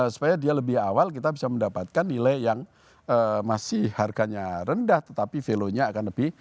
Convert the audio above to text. supaya dia lebih awal kita bisa mendapatkan nilai yang masih harganya rendah tetapi value nya akan lebih